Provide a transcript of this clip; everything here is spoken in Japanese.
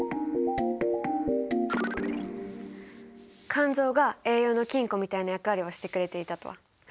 肝臓が栄養の金庫みたいな役割をしてくれていたとは。